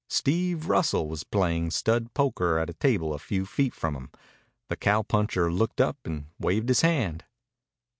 Steve Russell was playing stud poker at a table a few feet from him. The cowpuncher looked up and waved his hand.